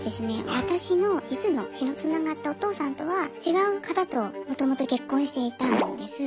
私の実の血のつながったお父さんとは違う方ともともと結婚していたんです。